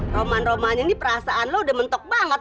roman roman ini perasaan lu udah mentok banget